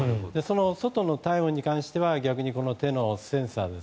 外の体温に関しては手のセンサー。